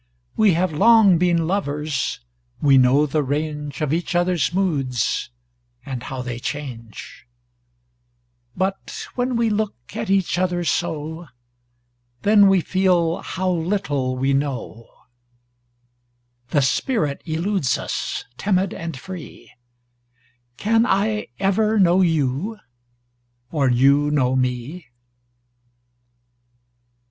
We have long been lovers, We know the range Of each other's moods And how they change; But when we look At each other so Then we feel How little we know; The spirit eludes us, Timid and free Can I ever know you Or you know me?